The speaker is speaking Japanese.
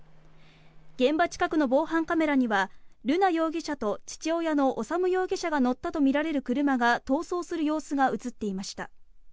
現場近くの防犯カメラには瑠奈容疑者と父親の修容疑者が乗ったとみられる車が逃走する様子が映っていました。